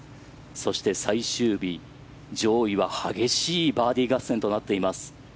そして最終日上位は激しいバーディー合戦となっています。